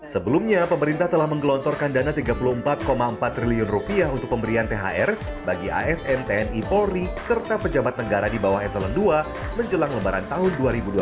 sebelumnya pemerintah telah menggelontorkan dana rp tiga puluh empat empat triliun untuk pemberian thr bagi asn tni polri serta pejabat negara di bawah eselon ii menjelang lebaran tahun dua ribu dua puluh satu